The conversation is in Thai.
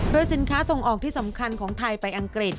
โดยสินค้าส่งออกที่สำคัญของไทยไปอังกฤษ